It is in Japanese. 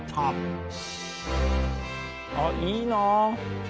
あっいいなあ。